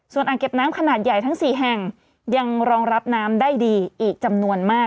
ส่วนอ่างเก็บน้ำขนาดใหญ่ทั้ง๔แห่งยังรองรับน้ำได้ดีอีกจำนวนมาก